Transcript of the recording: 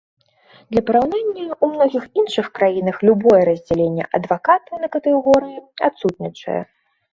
Для параўнання, у многіх іншых краінах любое раздзяленне адвакатаў на катэгорыі адсутнічае.